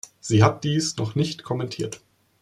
Sie hat dies noch nicht kommentiert.